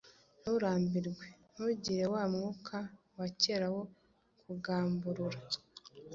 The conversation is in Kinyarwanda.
Nturambirwe. Ntugire wa mwuka wa kera wo“kugamburura”.